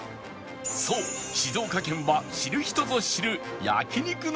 そう静岡県は知る人ぞ知る焼肉の聖地